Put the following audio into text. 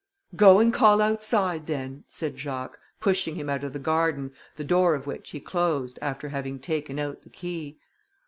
"Go and call outside then!" said Jacques, pushing him out of the garden, the door of which he closed, after having taken out the key.